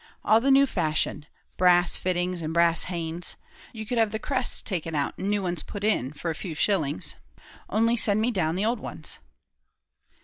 All the new fashion brass fittings and brass haines. You could have the crests taken out, and new ones put in, for a few shillings; only send me down the old ones."